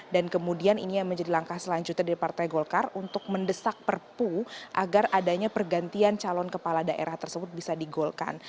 dan kemudian ini yang menjadi langkah selanjutnya dari partai golkar untuk mendesak perpu agar adanya pergantian calon kepala daerah tersebut bisa digolkan